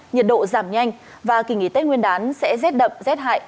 nhiệt độ giảm nhanh và kỳ nghỉ tết nguyên đán sẽ rét đậm rét hại